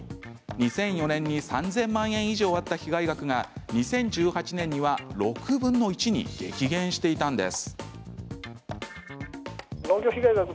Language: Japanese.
２００４年に３０００万円以上あった被害額が２０１８年には６分の１に激減していたんです。